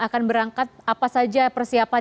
akan berangkat apa saja persiapan